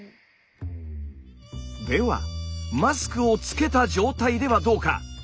ではマスクをつけた状態ではどうか。